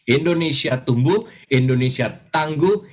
indonesia tumbuh indonesia tangguh